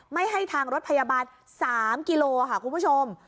ไม่ให้ทางรถพยาบาล๓กิโลค่ะคุณผู้ชม